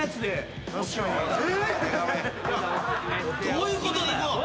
どういうことだよ。